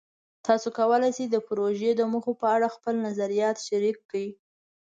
تاسو کولی شئ د پروژې د موخو په اړه خپلې نظریات شریک کړئ.